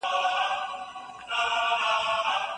د فرد او ټولنې ترمنځ اړین اړیکه تل موجوده ده.